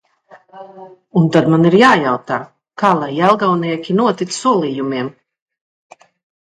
Un tad man ir jājautā: kā lai jelgavnieki notic solījumiem?